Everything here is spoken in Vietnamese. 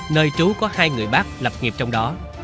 nơi trú có hai người bác lập nghiệp trong đó